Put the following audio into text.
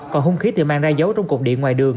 còn hung khí thì mang ra dấu trong cột điện ngoài đường